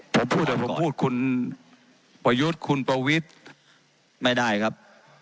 ผมพูดแต่ผมพูดคุณประยุทธ์คุณประวิทย์ไม่ได้ครับ